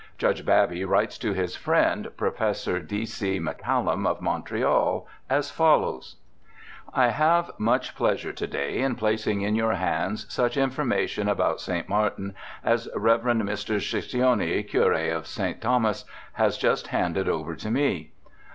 Judge Baby writes to his friend, Prof. D. C. MacCallum of Montreal, as follows :' I have much pleasure to day in placing in your hands such information about St. Martin as Kevd. Mr. Chicoine, Cure of St. Thomas, has just handed over to me.